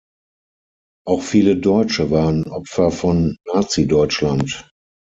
Auch viele Deutsche waren Opfer von Nazi-Deutschland.